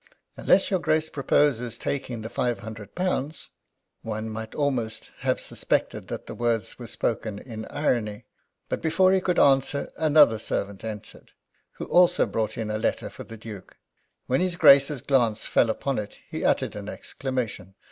"Unless your Grace proposes taking the five hundred pounds." One might almost have suspected that the words were spoken in irony. But before he could answer another servant entered, who also brought a letter for the Duke. When his Grace's glance fell on it he uttered an exclamation.